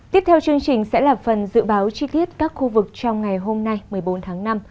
tiếp theo chương trình sẽ là phần dự báo chi tiết các khu vực trong ngày hôm nay một mươi bốn tháng năm